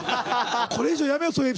これ以上やめよう。